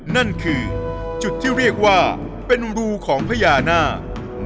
นั่นคือจุดที่เรียกว่าเป็นรูของพญานาค